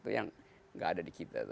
itu yang nggak ada di kita